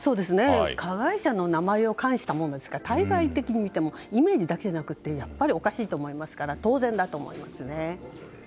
加害者の名前を冠したものですから対外的に見てもイメージだけじゃなくてやっぱりおかしいと思いますから当然だと思いますね。